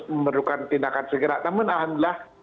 memerlukan tindakan segera namun alhamdulillah